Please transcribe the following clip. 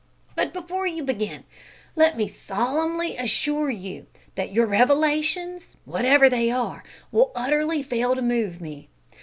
But before you begin, let me solemnly assure you that your revelations, whatever they are, will utterly fail to move me.